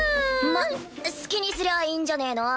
まっ好きにすりゃいいんじゃねぇの？